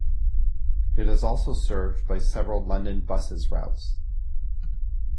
It is also served by several London Buses routes.